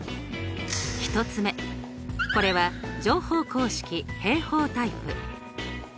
１つ目これは乗法公式平方タイプ。